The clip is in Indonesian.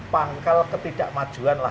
pangkal ketidakmajuan lah